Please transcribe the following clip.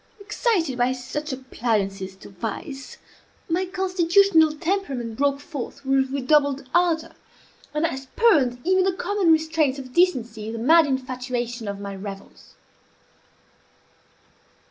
Excited by such appliances to vice, my constitutional temperament broke forth with redoubled ardor, and I spurned even the common restraints of decency in the mad infatuation of my revels.